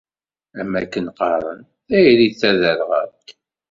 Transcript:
Am akken qqaren, tayri d taderɣalt.